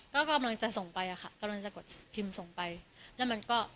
ก็กำลังจะส่งไปอะค่ะกำลังจะกดพิมพ์ส่งไปแล้วมันก็